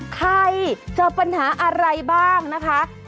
ใครเจอปัญหาอะไรบ้างนะคะ